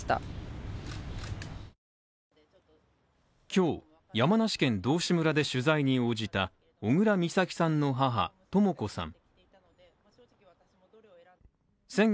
今日、山梨県道志村で取材に応じた小倉美咲さんの母・とも子さんさん